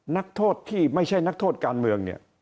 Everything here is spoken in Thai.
นักโทษที่ไม่ใช่นักโทษการเมืองเนี่ย